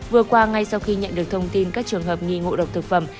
vừa qua ngay sau khi nhận được thông tin các trường hợp nghi ngộ độc thực phẩm